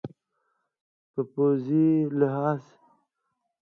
په پوځي لحاظ